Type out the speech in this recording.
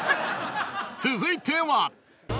［続いては］